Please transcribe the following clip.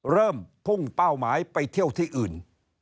เริ่มพุ่งเป้าหมายไปเที่ยวที่อื่น